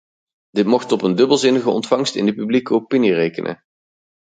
Dit mocht op een dubbelzinnige ontvangst in de publieke opinie rekenen.